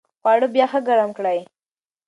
خواړه بیا ښه ګرم کړئ.